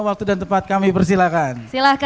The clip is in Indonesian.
waktu dan tepat kami persilahkan